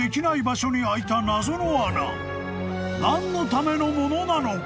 ［何のためのものなのか？］